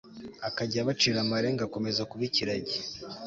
akajya abacira amarenga akomeza kuba ikiragi